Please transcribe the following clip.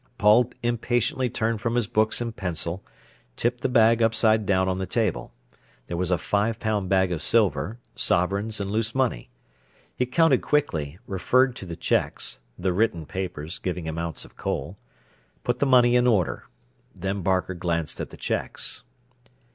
Paul impatiently turned from his books and pencil, tipped the bag upside down on the table. There was a five pound bag of silver, sovereigns and loose money. He counted quickly, referred to the checks—the written papers giving amount of coal—put the money in order. Then Barker glanced at the checks.